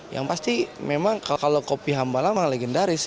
yang pasti memang kalau kopi hambalam memang legendaris